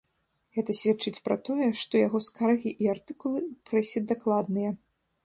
Гэта сведчыць пра тое, што яго скаргі і артыкулы ў прэсе дакладныя.